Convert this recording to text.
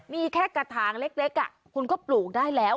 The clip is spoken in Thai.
มีแค่กระถางเล็กคุณก็ปลูกได้แล้ว